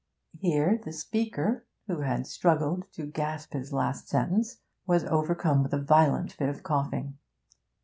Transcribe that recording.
Here the speaker, who had struggled to gasp his last sentence, was overcome with a violent fit of coughing.